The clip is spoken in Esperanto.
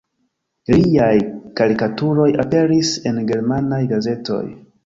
Liaj karikaturoj aperis en germanaj gazetoj.